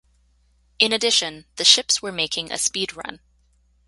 In addition, the ships were making a speed run.